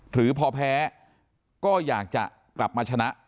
หรือพอแพ้ก็อยากจะกลับมาชนะ